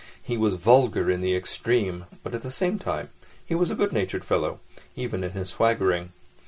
He was vulgar in the extreme, but at the same time he was a good natured fellow, even in his swaggering.